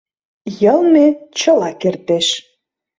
Йылме чыла кертеш.